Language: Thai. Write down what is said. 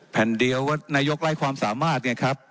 แผ่นเดียวว่านายกไร้ความสามารถไงครับ